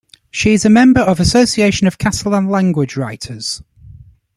She is a member of Association of Catalan-Language Writers.